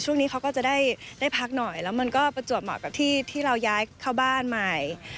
ช่วงนี้เขาก็จะได้พักหน่อยแล้วมันก็ประจวบเหมาะกับที่เราย้ายเข้าบ้านใหม่